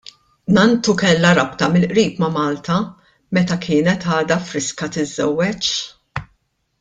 Nanntu kellha rabta mill-qrib ma' Malta meta kienet għadha friska tiżżewweġ.